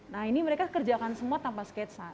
nah ini mereka kerjakan semua tanpa sketsa